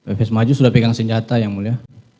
efes maju sudah pegang senjata yang mulia